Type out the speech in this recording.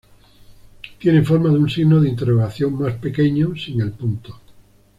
Tiene forma de un signo de interrogación más pequeño sin el punto.